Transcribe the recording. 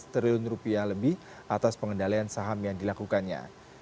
tiga ratus triliun rupiah lebih atas pengendalian saham yang dilakukannya